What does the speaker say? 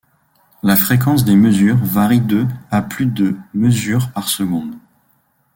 La fréquence des mesures varie de à plus de mesures par seconde.